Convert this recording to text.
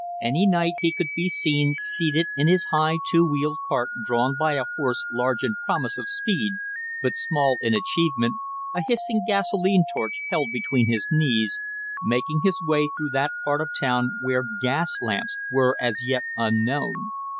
Any night he could be seen seated in his high two wheeled cart drawn by a horse large in promise of speed but small in achievement, a hissing gasolene torch held between his knees, making his way through that part of the town where gas lamps were as yet unknown.